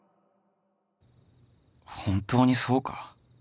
本当にそうか？